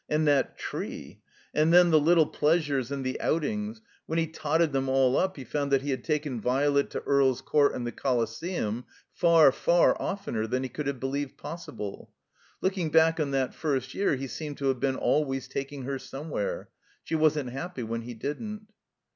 And that tree! And then the Uttle pleasures and the outings — ^when he totted them all up he found that he had taken Violet to Earl's Cotut and the Colisetmi far, far oftener than he could have believed possible. Look ing back on that first year, he seemed to have been always taking her somewhere. She wasn't happy when he didn't.